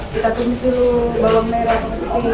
kita tumis dulu bawang merah